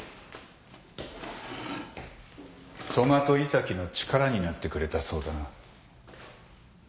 杣と伊佐木の力になってくれたそうだな。